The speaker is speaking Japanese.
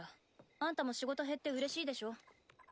あんたも仕事減ってうれしいでしょ？